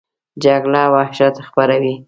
جګړه وحشت خپروي